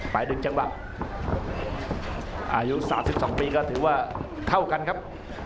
ดึงจังหวะอายุ๓๒ปีก็ถือว่าเท่ากันครับ